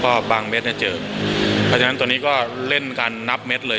ก็บางเม็ดเนี่ยเจอเพราะฉะนั้นตัวนี้ก็เล่นกันนับเม็ดเลย